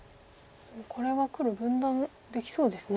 これは黒分断できそうですね。